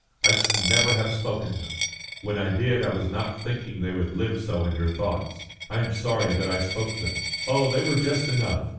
I should never have spoken them. When I did I was not thinking they would live so in your thoughts. I am sorry that I spoke them." "Oh, they were just enough.